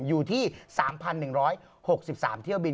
อยู่ที่๓๑๖๓เที่ยวบิน